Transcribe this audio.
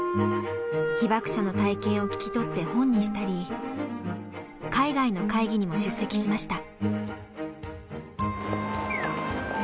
被爆者の体験を聞き取って本にしたり海外の会議にも出席しました。